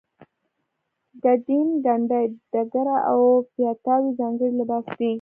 ګدین ګنډۍ ډیګره او پایتاوې ځانګړی لباس دی.